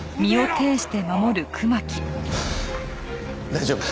大丈夫？